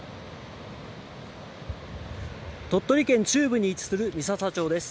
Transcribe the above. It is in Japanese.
鳥取県中部に位置する三朝町です。